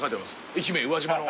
愛媛宇和島の。